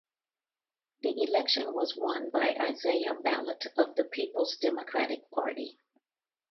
The election was won by Isaiah Balat of the Peoples Democratic Party.